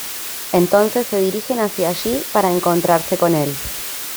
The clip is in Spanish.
Entonces se dirigen hacia allí para encontrarse con Él.